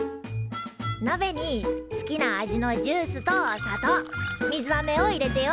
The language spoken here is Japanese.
なべに好きな味のジュースと砂糖水あめを入れてよ